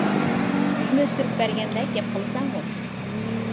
ئۈجمە ئۈستۈرۈپ بەرگەندەك گەپ قىلىسەنغۇ؟ !